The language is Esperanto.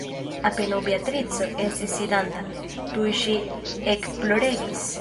Apenaŭ Beatrico estis sidanta, tuj ŝi ekploregis.